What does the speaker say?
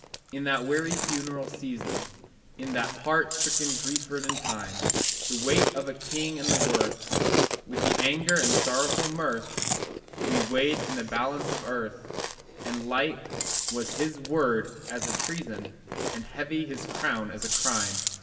In that weary funereal season, In that heart stricken grief ridden time, The weight of a king and the worth, With anger and sorrowful mirth, We weighed in the balance of earth, And light was his word as a treason, And heavy his crown as a crime.